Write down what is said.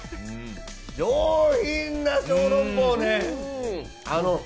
上品な小籠包ね。